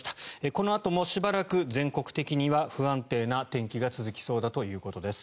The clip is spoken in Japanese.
このあとも、しばらく全国的には不安定な天気が続きそうだということです。